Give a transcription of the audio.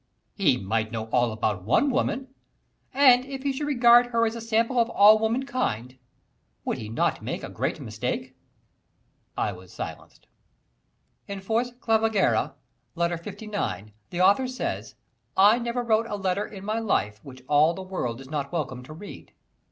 "He might know all about one woman, and if he should regard her as a sample of all womankind, would he not make a great mistake?" I was silenced. In "Fors Clavigera," Letter LIX, the author says: "I never wrote a letter in my life which all the world is not welcome to read."